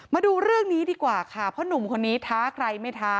มาดูเรื่องนี้ดีกว่าค่ะเพราะหนุ่มคนนี้ท้าใครไม่ท้า